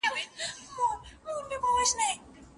د دغو شپو په عوض کې ولي نورو ميرمنو ته نه ورځي؟